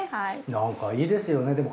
なんかいいですよねでも。